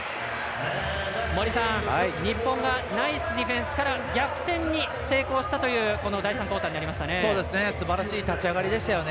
森さん、日本がナイスディフェンスから逆転に成功したというすばらしい立ち上がりでしたよね。